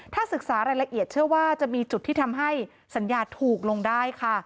ถ้าศึกษารายละเอียดเชื่อว่าจะมีจุดที่ทำให้สัญญาถูกลงได้ค่ะ